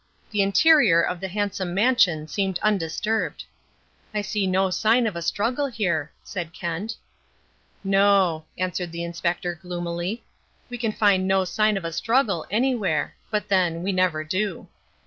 The interior of the handsome mansion seemed undisturbed. "I see no sign of a struggle here," said Kent. "No," answered the Inspector gloomily. "We can find no sign of a struggle anywhere. But, then, we never do."